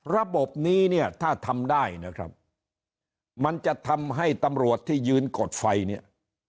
ระบบนี้เนี่ยถ้าทำได้นะครับมันจะทำให้ตำรวจที่ยืนกดไฟเนี่ย